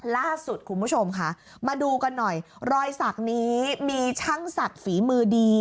ล่าสุดคุณผู้ชมค่ะมาดูกันหน่อยรอยสักนี้มีช่างศักดิ์ฝีมือดี